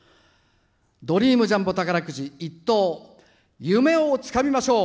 ドリームジャンボ１等夢をつかみましょう。